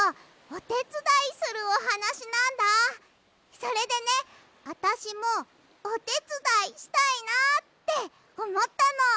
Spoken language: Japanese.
それでねあたしもおてつだいしたいなっておもったの。